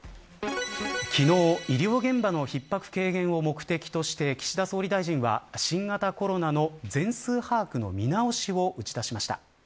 昨日、医療現場の逼迫軽減を目的として岸田総理大臣は新型コロナの全数把握の見直しを打ち出しました。